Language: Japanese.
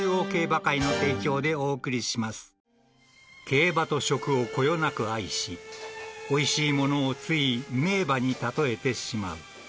［競馬と食をこよなく愛しおいしいものをつい名馬に例えてしまう］